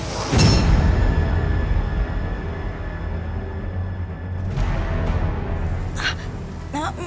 maaf sebentar ganteng